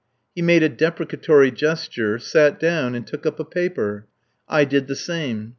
He made a deprecatory gesture, sat down, and took up a paper. I did the same.